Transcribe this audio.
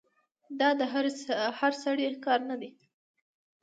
دا د هر سړي کار نه دی.